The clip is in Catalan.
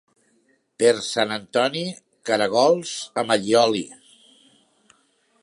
Per Sant Antoni, caragols amb allioli.